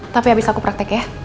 tapi habis aku praktek ya